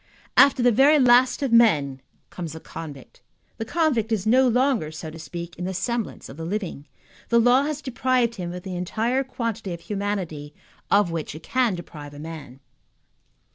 After the very last of men comes the convict. The convict is no longer, so to speak, in the semblance of the living. The law has deprived him of the entire quantity of humanity of which it can deprive a man.